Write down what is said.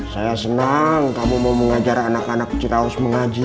saya senang kamu mau mengajar anak anak ciraus mengaji